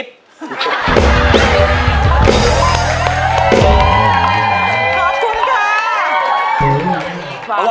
ขอบคุณค่ะ